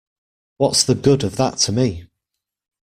What's the good of that to me?